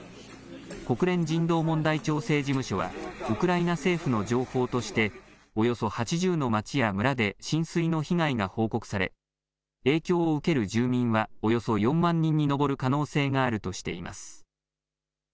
国連人道問題調整事務所はウクライナ政府の情報としておよそ８０の町や村で浸水の被害が報告され影響を受ける住民はおよそ４万人に上る可能性があるとしています。